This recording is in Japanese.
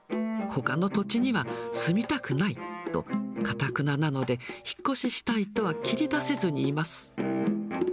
ほかの土地には住みたくないと、かたくななので、引っ越したいとは切りだせずにいます。